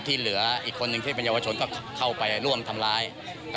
ที่นี่เก่ายังใกล้๖๐๐๐บาท